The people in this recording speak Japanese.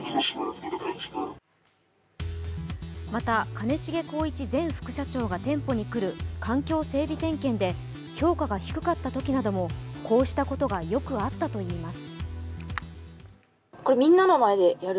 兼重宏一前副社長が店舗に来る環境整備点検で評価が低かったときなどもこうしたことがよくあったといいます。